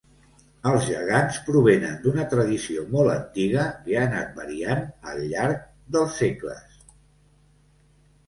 Els gegants provenen d'una tradició molt antiga que ha anat variant al llarg dels segles.